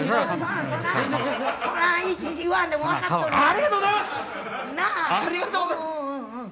ありがとうございます！